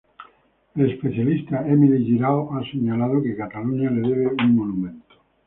El especialista Emili Giralt ha señalado que "Cataluña le debe un monumento".